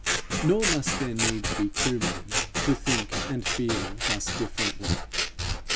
Nor must there needs be two men to think and feel thus differently.